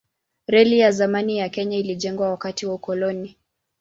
Reli ya zamani ya Kenya ilijengwa wakati wa ukoloni.